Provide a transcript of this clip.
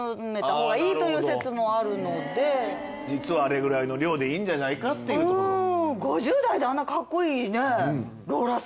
実はあれくらいの量でいいんじゃないかっていうところ。